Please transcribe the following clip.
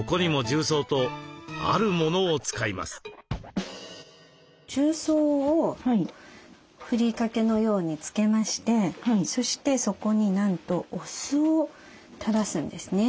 重曹をふりかけのようにつけましてそしてそこになんとお酢をたらすんですね。